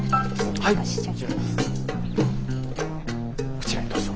こちらへどうぞ。